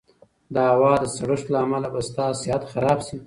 د هوا د سړښت له امله به ستا صحت خراب شي.